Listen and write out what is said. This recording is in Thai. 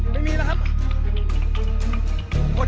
ไม่มีแล้วครับ